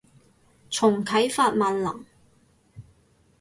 重啟法萬能